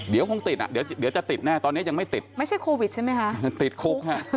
เดี๋ยวติดอ่ะเดี๋ยวจะติดแน่ตอนนี้ไม่ติดไม่ใช่โควิดใช่ไหมครับติดคุก